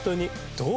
どう？